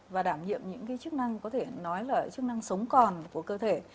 và đảm nhiệm những chức năng có thể nói là chức năng sống còn của cơ thể